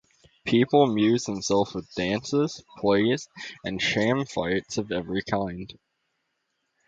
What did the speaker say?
People amuse themselves with dances, plays, and sham-fights of every kind.